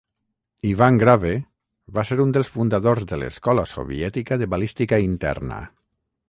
Ivan Grave va ser un dels fundadors de l'escola soviètica de balística interna.